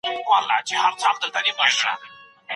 آیا منطق ناکامیږي کله چي بحثونه په فزیکي ډول مخامخ ترسره کیږي؟